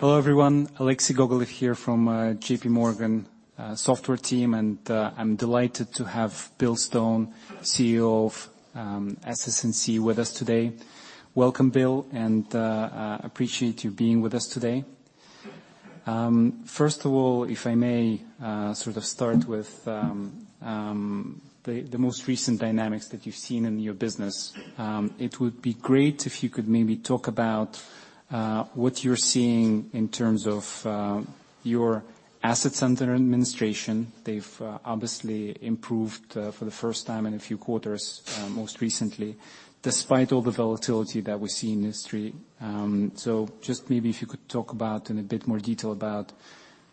Hello, everyone. Alexei Gogolev here from JPMorgan software team, and I'm delighted to have Bill Stone, CEO of SS&C with us today. Welcome, Bill, and appreciate you being with us today. First of all, if I may, sort of start with the most recent dynamics that you've seen in your business. It would be great if you could maybe talk about what you're seeing in terms of your assets under administration. They've obviously improved for the first time in a few quarters, most recently, despite all the volatility that we see in the industry. Just maybe if you could talk about, in a bit more detail, about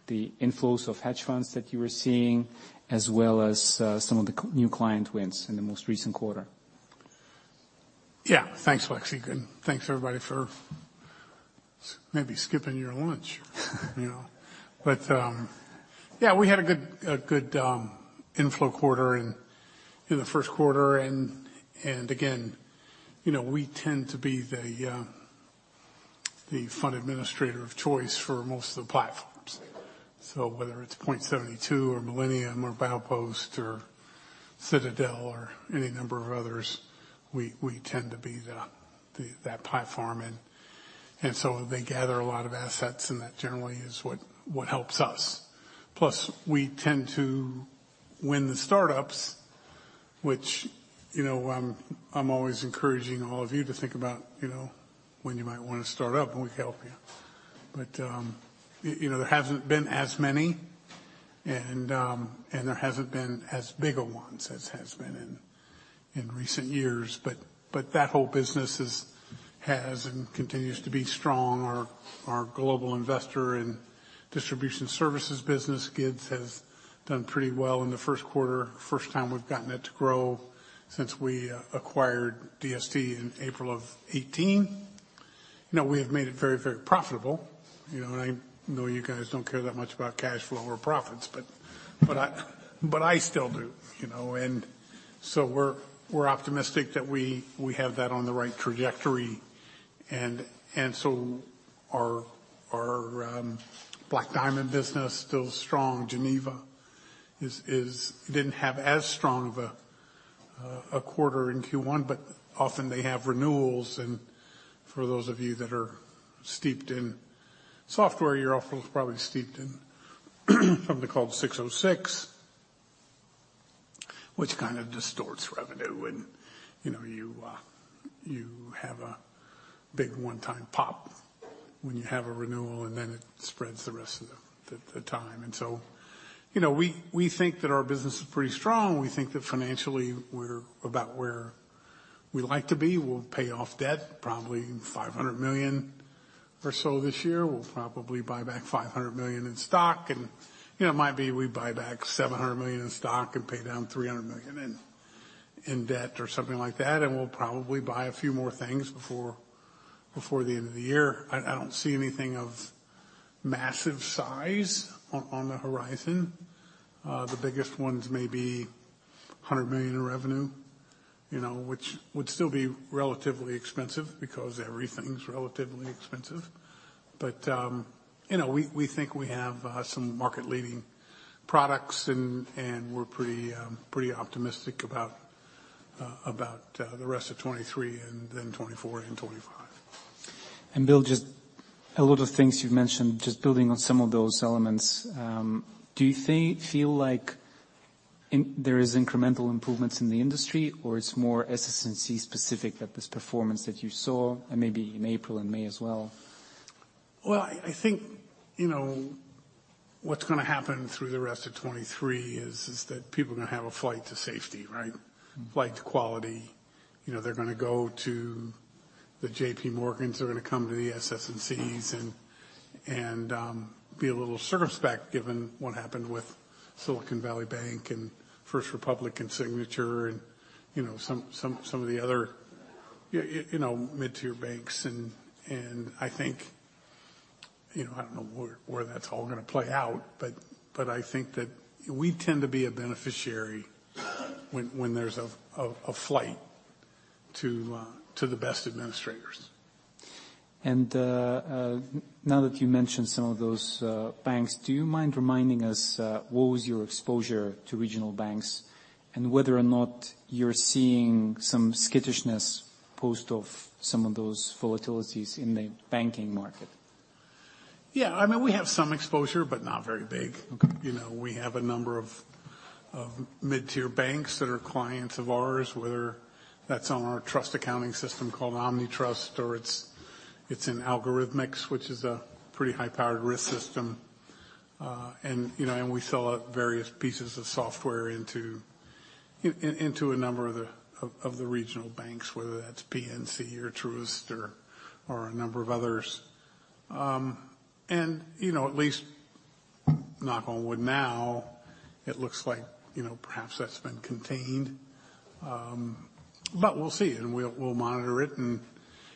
the inflows of hedge funds that you were seeing, as well as, some of the new client wins in the most recent quarter. Yeah. Thanks, Alexei. Thanks, everybody, for maybe skipping your lunch, you know. Yeah, we had a good inflow quarter in the first quarter. Again, you know, we tend to be the fund administrator of choice for most of the platforms. So whether it's Point72 or Millennium or Baupost or Citadel or any number of others, we tend to be that platform. They gather a lot of assets, and that generally is what helps us. Plus, we tend to win the startups, which, you know, I'm always encouraging all of you to think about, you know, when you might wanna start up, and we can help you. You know, there hasn't been as many, and there hasn't been as bigger ones as has been in recent years. That whole business is, has and continues to be strong. Our Global Investor and Distribution Services business, GIDS, has done pretty well in the first quarter. First time we've gotten it to grow since we acquired DST Systems in April of 2018. You know, we have made it very profitable. You know, I know you guys don't care that much about cash flow or profits, but I still do, you know. We're optimistic that we have that on the right trajectory. Our Black Diamond business, still strong. Geneva is didn't have as strong of a quarter in Q1, but often they have renewals. For those of you that are steeped in software, you're also probably steeped in something called ASC 606, which kind of distorts revenue. You know, you have a big one-time pop when you have a renewal, and then it spreads the rest of the time. You know, we think that our business is pretty strong. We think that financially we're about where we like to be. We'll pay off debt, probably $500 million or so this year. We'll probably buy back $500 million in stock. You know, it might be we buy back $700 million in stock and pay down $300 million in debt or something like that. We'll probably buy a few more things before the end of the year. I don't see anything of massive size on the horizon. The biggest ones may be $100 million in revenue, you know, which would still be relatively expensive because everything's relatively expensive. But, you know, we think we have some market-leading products and we're pretty optimistic about about the rest of 2023 and then 2024 and 2025. Bill, just a lot of things you've mentioned, just building on some of those elements, do you feel like there is incremental improvements in the industry or it's more SS&C specific, that this performance that you saw and maybe in April and May as well? Well, I think, you know, what's gonna happen through the rest of 2023 is that people are gonna have a flight to safety, right? Flight to quality. You know, they're gonna go to the JPMorgans, they're gonna come to the SS&Cs and be a little circumspect given what happened with Silicon Valley Bank and First Republic and Signature Bank, and some of the other mid-tier banks. I think, you know, I don't know where that's all gonna play out, but I think that we tend to be a beneficiary when there's a flight to the best administrators. Now that you mention some of those banks, do you mind reminding us what was your exposure to regional banks and whether or not you're seeing some skittishness post of some of those volatilities in the banking market? Yeah. I mean, we have some exposure, but not very big. Okay. You know, we have a number of mid-tier banks that are clients of ours, whether that's on our trust accounting system called InnoTrust or it's in Algorithmics, which is a pretty high-powered risk system. You know, we sell various pieces of software into a number of the regional banks, whether that's PNC or Truist or a number of others. You know, at least, knock on wood, now it looks like, you know, perhaps that's been contained. We'll see and we'll monitor it. You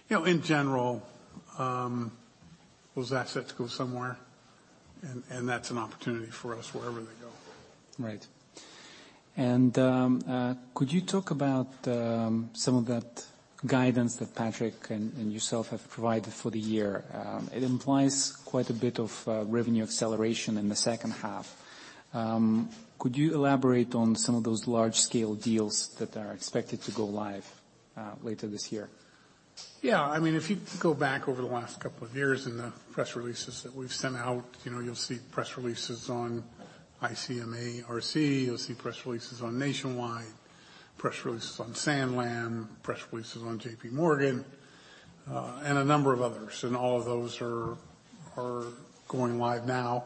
know, in general, those assets go somewhere and that's an opportunity for us wherever they go. Right. Could you talk about some of that guidance that Patrick and yourself have provided for the year? It implies quite a bit of revenue acceleration in the second half. Could you elaborate on some of those large-scale deals that are expected to go live later this year? Yeah. I mean, if you go back over the last couple of years in the press releases that we've sent out, you know, you'll see press releases on ICMA-RC, you'll see press releases on Nationwide Mutual Insurance Company, press releases on Santander, press releases on JPMorgan, and a number of others. All of those are going live now,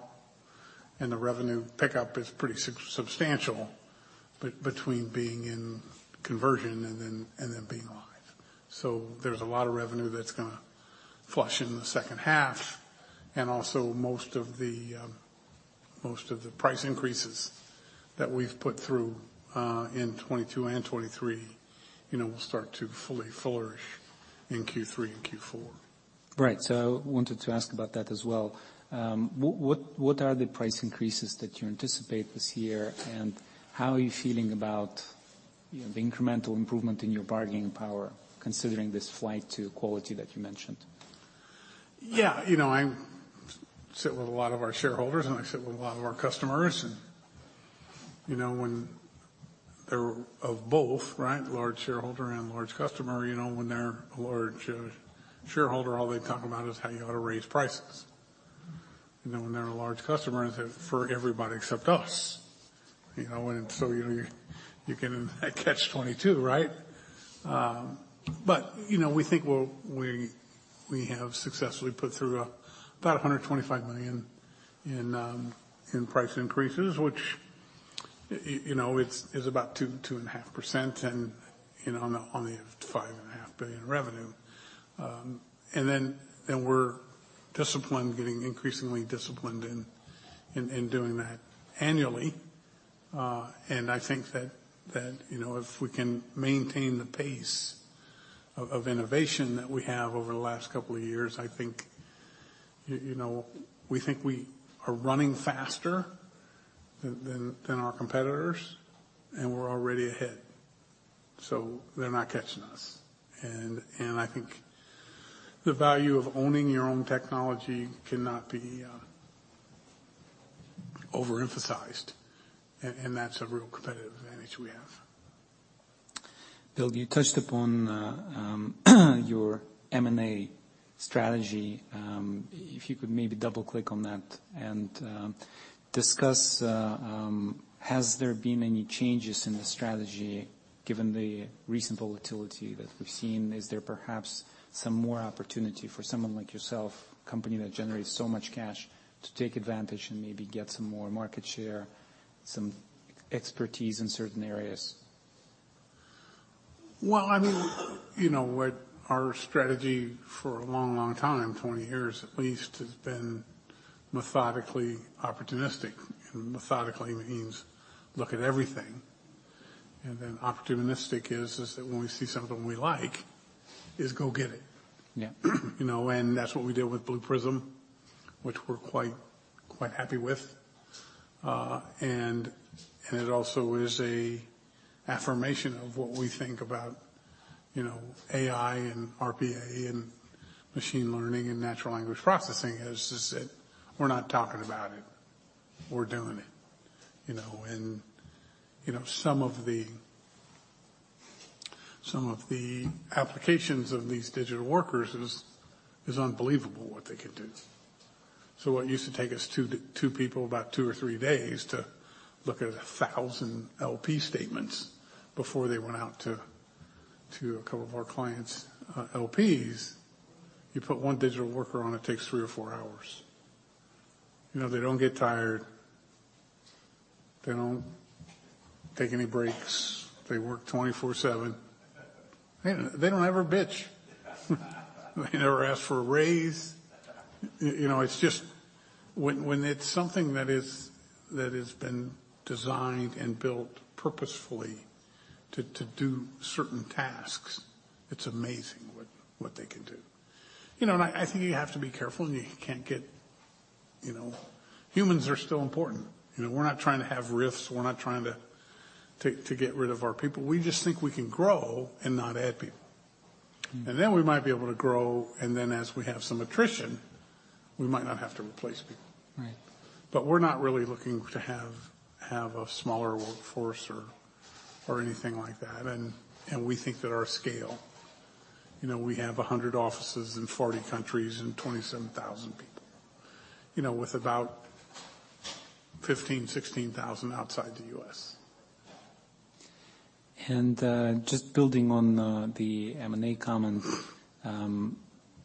and the revenue pickup is pretty substantial between being in conversion and then being live. There's a lot of revenue that's gonna flush in the second half, and also most of the price increases that we've put through in 2022 and 2023, you know, will start to fully flourish in Q3 and Q4. Right. I wanted to ask about that as well. What are the price increases that you anticipate this year, and how are you feeling about, you know, the incremental improvement in your bargaining power considering this flight to quality that you mentioned? Yeah. You know, I sit with a lot of our shareholders, and I sit with a lot of our customers, and, you know, when they're of both, right, large shareholder and large customer, you know, when they're a large shareholder, all they talk about is how you ought to raise prices. You know, when they're a large customer, they say, "For everybody except us." You know, you get in a catch-22, right? You know, we think we have successfully put through about $125 million in price increases, which, you know, is about 2%-2.5% and, you know, on the $5.5 billion revenue. We're disciplined, getting increasingly disciplined in doing that annually. I think that, you know, if we can maintain the pace of innovation that we have over the last couple of years, I think, you know, we think we are running faster than our competitors, and we're already ahead. They're not catching us. I think the value of owning your own technology cannot be overemphasized. That's a real competitive advantage we have. Bill, you touched upon your M&A strategy. If you could maybe double-click on that and discuss, has there been any changes in the strategy given the recent volatility that we've seen? Is there perhaps some more opportunity for someone like yourself, a company that generates so much cash, to take advantage and maybe get some more market share, some expertise in certain areas? Well, I mean, you know what, our strategy for a long, long time, 20 years at least, has been methodically opportunistic. Methodically means look at everything, then opportunistic is that when we see something we like, is go get it. Yeah. You know, that's what we did with Blue Prism, which we're quite happy with. It also is a affirmation of what we think about, you know, AI and RPA and machine learning and natural language processing, is that we're not talking about it, we're doing it, you know. You know, some of the applications of these digital workers is unbelievable what they can do. What used to take us two people about two or three days to look at 1,000 LP statements before they went out to a couple of our clients' LPs, you put one digital worker on it takes three to four hours. You know, they don't get tired. They don't take any breaks. They work 24/7. They don't ever bitch. They never ask for a raise. You know, it's just when it's something that has been designed and built purposefully to do certain tasks, it's amazing what they can do. You know, I think you have to be careful. You know, humans are still important. You know, we're not trying to have risks. We're not trying to take to get rid of our people. We just think we can grow and not add people. We might be able to grow, and then as we have some attrition, we might not have to replace people. Right. We're not really looking to have a smaller workforce or anything like that. We think that our scale, you know, we have 100 offices in 40 countries and 27,000 people. You know, with about 15,000-16,000 outside the U.S. Just building on the M&A comment.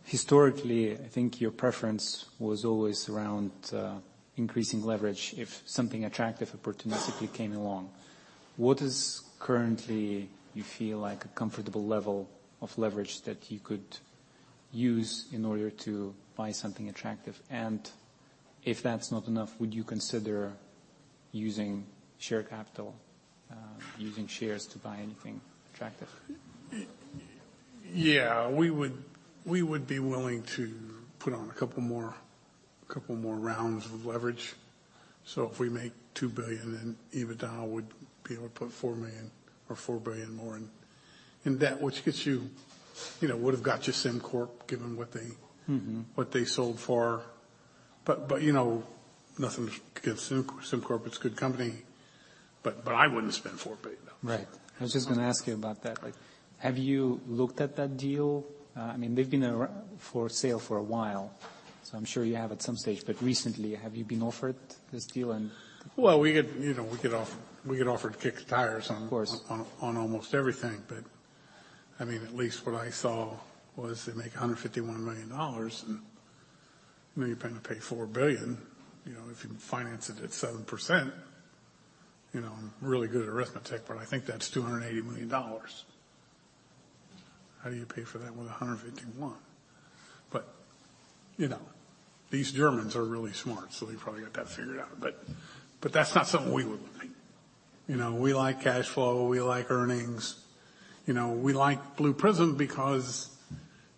Historically, I think your preference was always around increasing leverage if something attractive opportunistically came along. What is currently you feel like a comfortable level of leverage that you could use in order to buy something attractive? If that's not enough, would you consider using share capital, using shares to buy anything attractive? Yeah, we would be willing to put on a couple more rounds of leverage. If we make $2 billion, EBITDA would be able to put $4 million or $4 billion more in debt, which gets you know, would've got you SimCorp, given what they, what they sold for. You know, nothing against SimCorp. SimCorp is a good company, but I wouldn't spend $4 billion. Right. I was just gonna ask you about that. Like, have you looked at that deal? I mean, they've been around for sale for a while, so I'm sure you have at some stage. Recently, have you been offered this deal? Well, we get, you know, we get offered to kick the tires on- Of course. -on almost everything. I mean, at least what I saw was they make $151 million, then you plan to pay $4 billion. You know, if you finance it at 7%, you know, I'm really good at arithmetic, I think that's $280 million. How do you pay for that with $151 million? You know, these Germans are really smart, they probably got that figured out. But that's not something we would make. You know, we like cash flow, we like earnings. You know, we like Blue Prism because,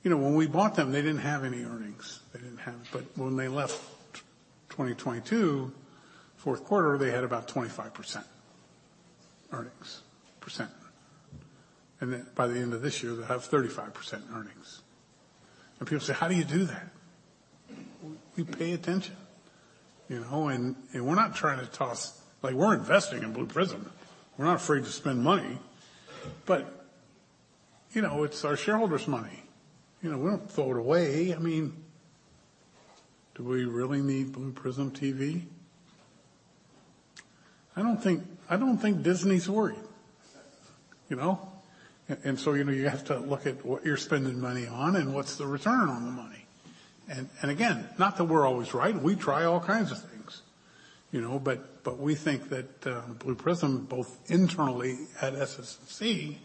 you know, when we bought them, they didn't have any earnings. They didn't have. When they left 2022, fourth quarter, they had about 25% earnings. By the end of this year, they'll have 35% earnings. People say, "How do you do that?" We pay attention, you know. We're not trying to toss... Like, we're investing in Blue Prism. We're not afraid to spend money, but, you know, it's our shareholders' money. You know, we don't throw it away. I mean, do we really need Blue Prism TV? I don't think, I don't think Disney's worried, you know? You have to look at what you're spending money on and what's the return on the money. Again, not that we're always right. We try all kinds of things, you know, but we think that Blue Prism, both internally at SS&C,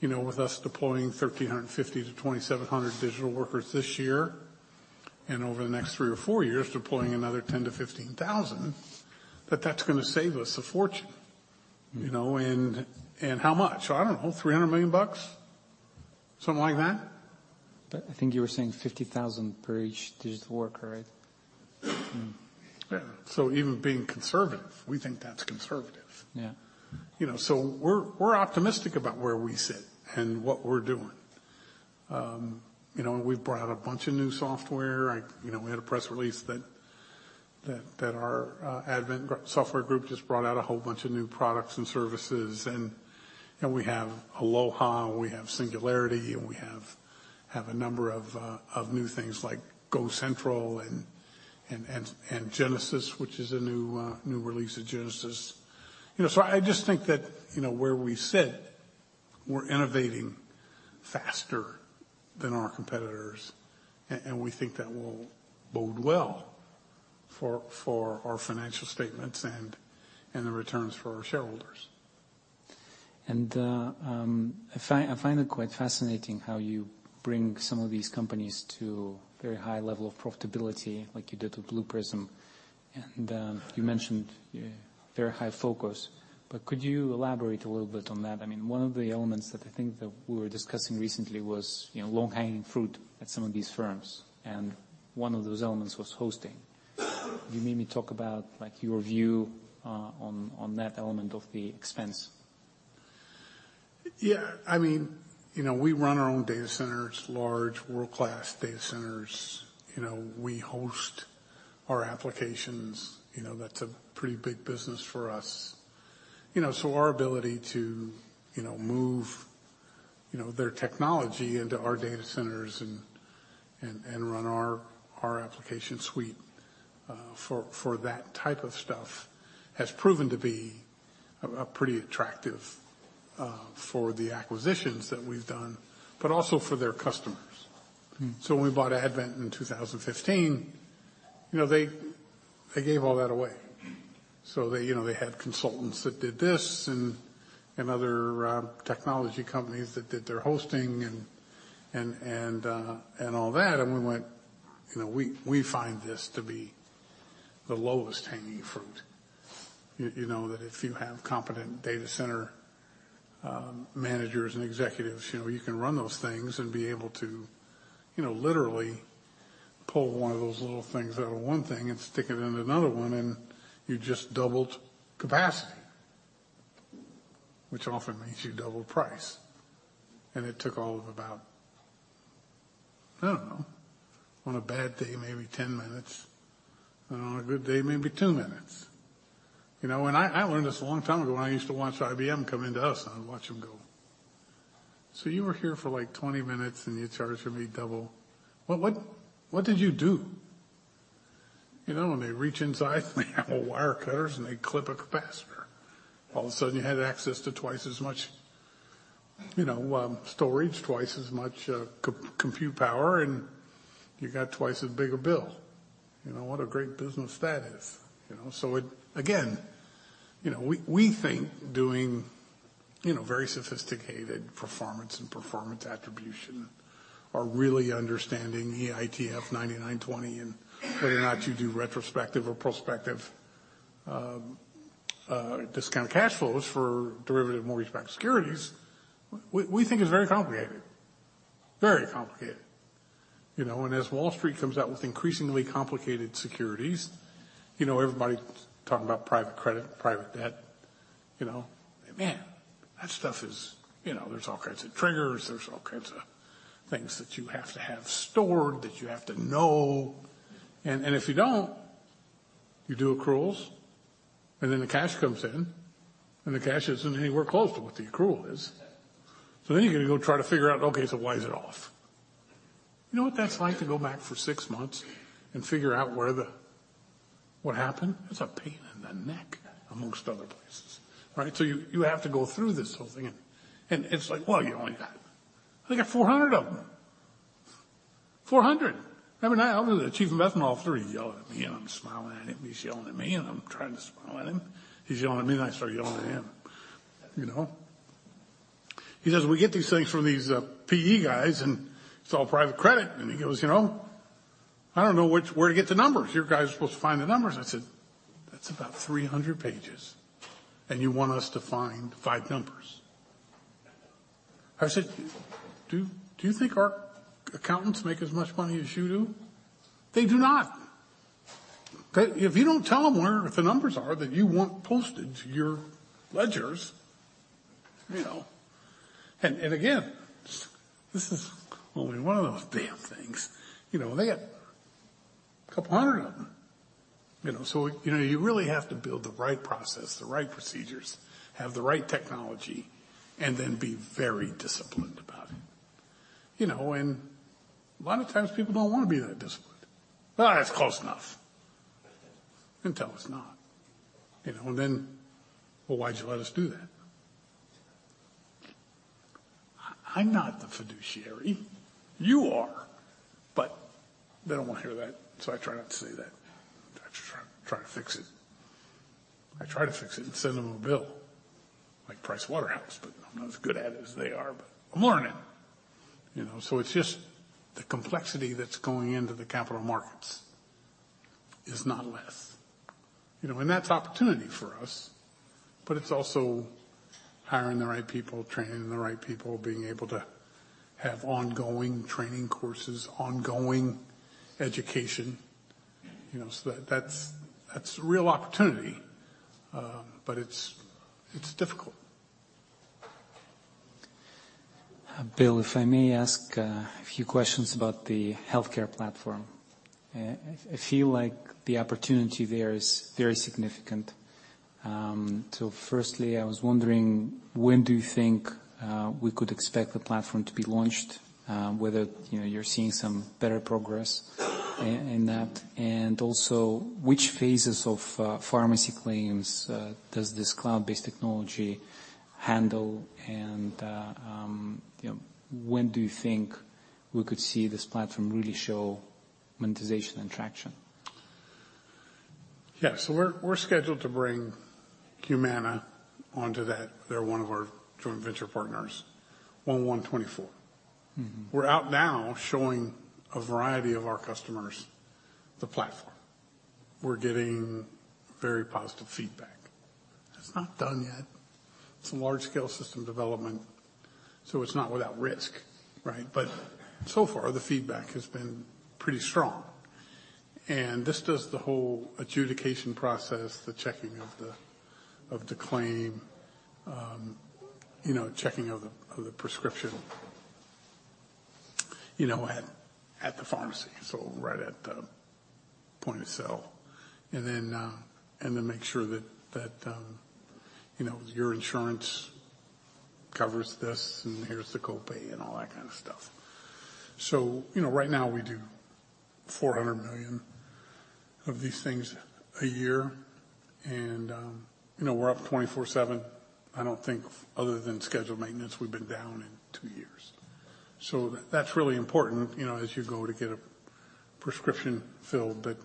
you know, with us deploying 1,350 to 2,700 digital workers this year, and over the next three or four years deploying another 10,000-15,000, that's gonna save us a fortune, you know. How much? I don't know, $300 million? Something like that. I think you were saying $50,000 for each digital worker, right? Yeah. Even being conservative, we think that's conservative. Yeah. You know, we're optimistic about where we sit and what we're doing. You know, we've brought out a bunch of new software. You know, we had a press release that our Advent software group just brought out a whole bunch of new products and services and, you know, we have Aloha, we have SS&C Singularity, and we have a number of new things like GoCentral and, and Genesis, which is a new release of Genesis. You know, I just think that, you know, where we sit, we're innovating faster than our competitors and we think that will bode well for our financial statements and the returns for our shareholders. I find it quite fascinating how you bring some of these companies to very high level of profitability like you did with Blue Prism. You mentioned very high focus. Could you elaborate a little bit on that? I mean, one of the elements that I think that we were discussing recently was, you know, low-hanging fruit at some of these firms, and one of those elements was hosting. You made me talk about, like, your view on that element of the expense. Yeah. I mean, you know, we run our own data centers, large world-class data centers. You know, we host our applications. You know, that's a pretty big business for us. Our ability to, you know, move, you know, their technology into our data centers and run our application suite for that type of stuff has proven to be a pretty attractive for the acquisitions that we've done, but also for their customers. When we bought Advent Software in 2015, you know, they gave all that away. They, you know, they had consultants that did this and other technology companies that did their hosting and, and all that. We went, "You know, we find this to be the lowest hanging fruit." You know that if you have competent data center managers and executives, you know, you can run those things and be able to, you know, literally pull one of those little things out of one thing and stick it into another one, and you just doubled capacity, which often means you double price. It took all of about, I don't know, on a bad day, maybe 10 minutes, and on a good day, maybe two minutes. You know, I learned this a long time ago when I used to watch IBM come into us, and I'd watch them go, "You were here for like 20 minutes and you charged me double. What, what did you do?" You know, and they reach inside they have wire cutters and they clip a capacitor. All of a sudden you had access to twice as much, you know, storage, twice as much, co-compute power, and you got twice as big a bill. You know, what a great business that is. You know? Again, you know, we think doing, you know, very sophisticated performance and performance attribution or really understanding the EITF 99-20 and whether or not you do retrospective or prospective discount cash flows for derivative mortgage-backed securities, we think is very complicated. Very complicated. You know, as Wall Street comes out with increasingly complicated securities, you know, everybody's talking about private credit, private debt, you know? Man, that stuff is. You know, there's all kinds of triggers. There's all kinds of things that you have to have stored, that you have to know. If you don't, you do accruals, and then the cash comes in, and the cash isn't anywhere close to what the accrual is. You gotta go try to figure out, okay, so why is it off? You know what that's like to go back for six months and figure out where the... what happened? It's a pain in the neck, amongst other places, right? You have to go through this whole thing and it's like, well, you only got... I got 400 of them. 400. Every night I was with the chief investment officer. He's yelling at me, and I'm smiling at him. He's yelling at me, and I'm trying to smile at him. He's yelling at me, and I start yelling at him. You know? He says, "We get these things from these PE guys, and it's all private credit." He goes, "You know, I don't know where to get the numbers. Your guys are supposed to find the numbers." I said, "That's about 300 pages, and you want us to find five numbers?" I said, "Do you think our accountants make as much money as you do? They do not. If you don't tell them where the numbers are that you want posted to your ledgers, you know..." Again, this is only one of those damn things, you know? They got a couple hundred of them, you know. You know, you really have to build the right process, the right procedures, have the right technology, and then be very disciplined about it. You know, a lot of times people don't wanna be that disciplined. "It's close enough." Until it's not, you know? "Well, why'd you let us do that?" I'm not the fiduciary. You are. They don't wanna hear that, so I try not to say that. I try to fix it. I try to fix it and send them a bill like PricewaterhouseCoopers, but I'm not as good at it as they are, but I'm learning. You know, it's just the complexity that's going into the capital markets is not less, you know. That's opportunity for us, but it's also hiring the right people, training the right people, being able to have ongoing training courses, ongoing education, you know. That's, that's real opportunity, but it's difficult. Bill, if I may ask a few questions about the healthcare platform. I feel like the opportunity there is very significant. Firstly, I was wondering, when do you think we could expect the platform to be launched, whether, you know, you're seeing some better progress in that? Also, which phases of pharmacy claims does this cloud-based technology handle? You know, when do you think we could see this platform really show monetization and traction? Yeah. We're scheduled to bring Humana onto that. They're one of our joint venture partners, 1/1/2024. We're out now showing a variety of our customers the platform. We're getting very positive feedback. It's not done yet. It's a large-scale system development, so it's not without risk, right? So far, the feedback has been pretty strong. This does the whole adjudication process, the checking of the, of the claim, you know, checking of the, of the prescription, you know, at the pharmacy. Right at the point of sale. Make sure that, you know, your insurance covers this, and here's the copay and all that kind of stuff. You know, right now we do $400 million of these things a year, and, you know, we're up 24/7. I don't think other than scheduled maintenance, we've been down in two years. That's really important, you know, as you go to get a prescription filled that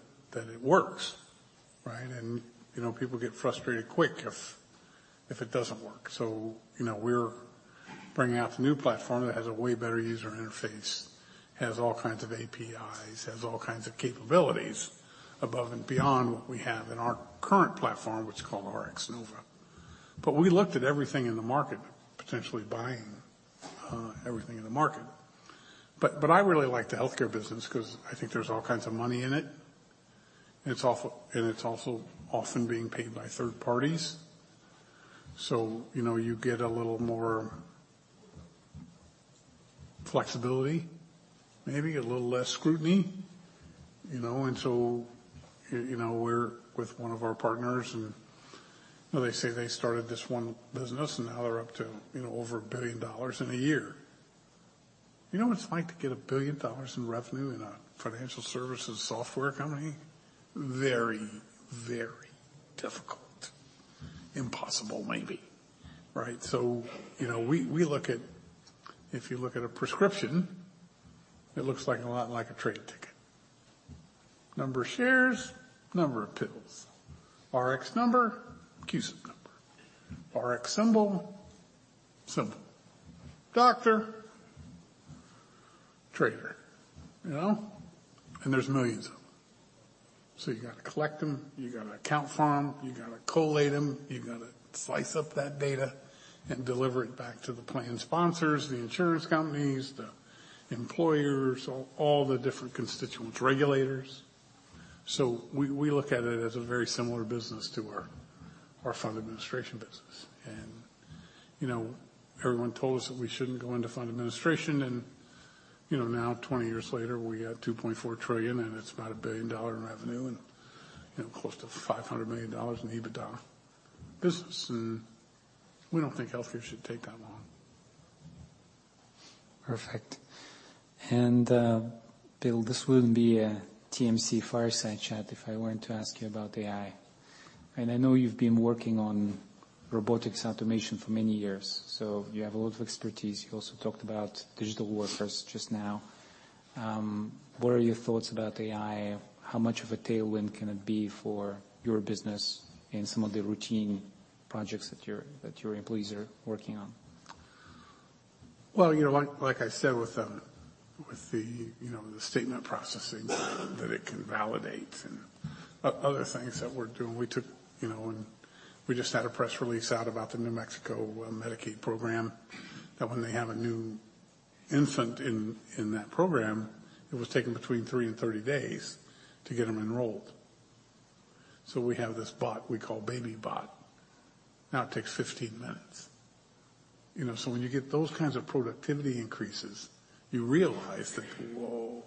it works, right? You know, people get frustrated quick if it doesn't work. You know, we're bringing out the new platform that has a way better user interface, has all kinds of APIs, has all kinds of capabilities above and beyond what we have in our current platform, which is called RxNova. We looked at everything in the market, potentially buying everything in the market. I really like the healthcare business 'cause I think there's all kinds of money in it. It's also often being paid by third parties. You know, you get a little more flexibility, maybe a little less scrutiny, you know. You know, we're with one of our partners, and they say they started this one business, and now they're up to, you know, over $1 billion in a year. You know what it's like to get $1 billion in revenue in a financial services software company? Very, very difficult. Impossible, maybe, right? You know, we look at... If you look at a prescription, it looks like a lot like a trade ticket. Number of shares, number of pills. Rx number, CUSIP number. Rx symbol, symbol. Doctor, trader. You know, there's millions of them. You gotta collect them, you gotta account farm, you gotta collate them, you gotta slice up that data and deliver it back to the plan sponsors, the insurance companies, the employers, all the different constituents, regulators. We look at it as a very similar business to our fund administration business. You know, everyone told us that we shouldn't go into fund administration and, you know, now 20 years later, we got $2.4 trillion, and it's about a billion-dollar revenue and, you know, close to $500 million in EBITDA business. We don't think healthcare should take that long. Perfect. Bill, this wouldn't be a TMC Fireside Chat if I weren't to ask you about AI. I know you've been working on robotics automation for many years, so you have a lot of expertise. You also talked about digital workers just now. What are your thoughts about AI? How much of a tailwind can it be for your business and some of the routine projects that your employees are working on? Well, you know, like I said, with the, you know, the statement processing that it can validate and other things that we're doing. We took, you know, and we just had a press release out about the New Mexico Medicaid program, that when they have a new infant in that program, it was taking between three and 30 days to get them enrolled. We have this bot we call Baby Bot. Now it takes 15 minutes. You know, so when you get those kinds of productivity increases, you realize that, whoa,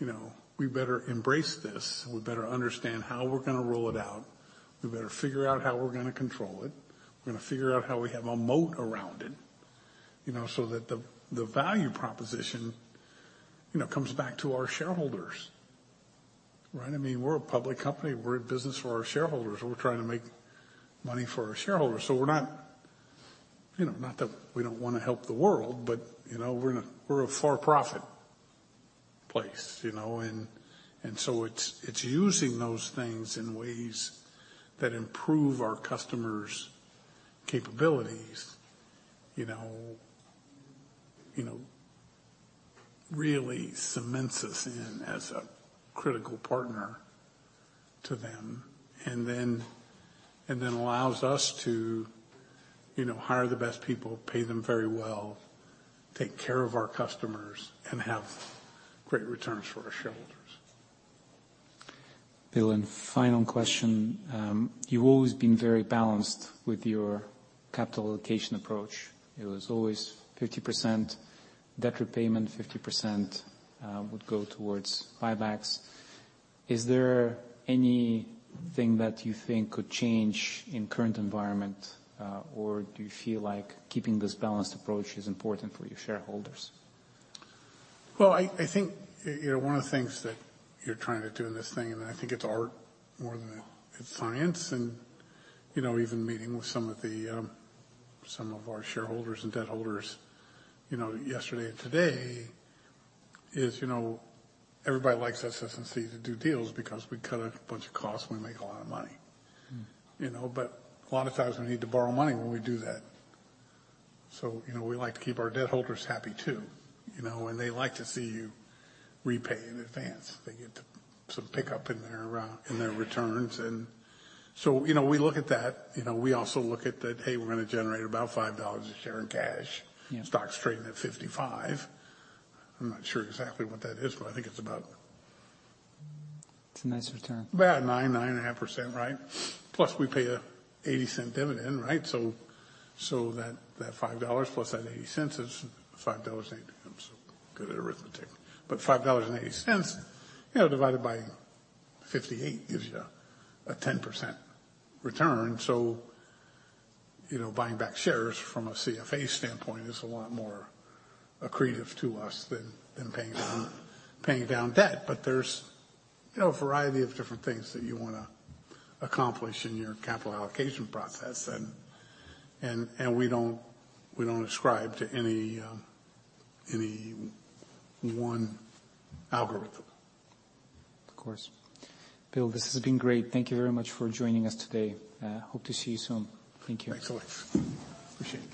you know, we better embrace this, and we better understand how we're gonna roll it out. We better figure out how we're gonna control it. We're gonna figure out how we have a moat around it, you know, so that the value proposition, you know, comes back to our shareholders. Right? I mean, we're a public company. We're in business for our shareholders. We're trying to make money for our shareholders. We're not, you know, not that we don't wanna help the world, but you know, we're a for-profit place, you know. It's using those things in ways that improve our customers' capabilities, you know, really cements us in as a critical partner to them and then allows us to, you know, hire the best people, pay them very well, take care of our customers, and have great returns for our shareholders. Bill, final question. you've always been very balanced with your capital allocation approach. It was always 50% debt repayment, 50% would go towards buybacks. Is there anything that you think could change in current environment, or do you feel like keeping this balanced approach is important for your shareholders? I think, you know, one of the things that you're trying to do in this thing, and I think it's art more than it's science, and, you know, even meeting with some of our shareholders and debt holders, you know, yesterday and today is, you know, everybody likes SS&C to do deals because we cut a bunch of costs. We make a lot of money. You know. A lot of times we need to borrow money when we do that. You know, we like to keep our debt holders happy too, you know. They like to see you repay in advance. They get some pickup in their returns. You know, we look at that. You know, we also look at that, "Hey, we're gonna generate about $5 a share in cash. Yeah. Stock's trading at $55. I'm not sure exactly what that is, but I think it's about... It's a nice return. About 9.5%, right? We pay an $0.80 dividend, right? That, that $5 plus that $0.80 is $5.80... I'm so good at arithmetic. $5.80, you know, divided by 58 gives you a 10% return. You know, buying back shares from a CFA standpoint is a lot more accretive to us than paying down debt. There's, you know, a variety of different things that you wanna accomplish in your capital allocation process and we don't ascribe to any one algorithm. Of course. Bill, this has been great. Thank you very much for joining us today. Hope to see you soon. Thank you. Thanks a lot. Appreciate it.